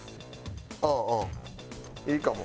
うんうんいいかも。